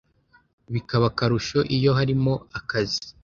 bikaba akarusho iyo harimo akazi